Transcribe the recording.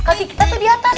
kaki kita tuh diatas